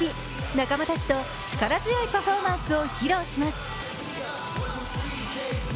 仲間たちと力強いパフォーマンスを披露します。